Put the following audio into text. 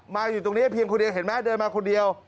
อยู่ตรงนี้เพียงคนเดียวเห็นไหมเดินมาคนเดียว